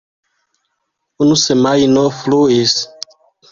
Unu semajno fluis.